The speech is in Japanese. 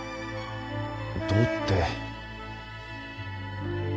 どうって。